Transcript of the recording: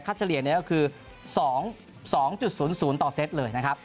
เฉลี่ยก็คือ๒๐๐ต่อเซตเลยนะครับ